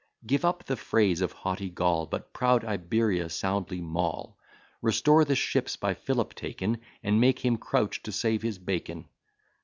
Give up the phrase of haughty Gaul, But proud Iberia soundly maul: Restore the ships by Philip taken, And make him crouch to save his bacon.